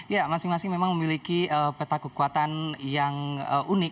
ya masing masing memang memiliki peta kekuatan yang unik